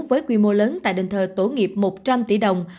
với quy mô lớn tại đền thờ tổ nghiệp một trăm linh tỷ đồng